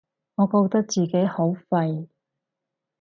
我覺得自己好廢